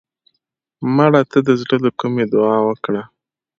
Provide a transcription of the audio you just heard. مړه ته د زړه له کومې دعا وکړه